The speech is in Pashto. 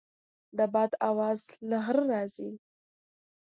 د باد اواز له غره راځي.